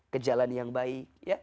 ke jalan yang baik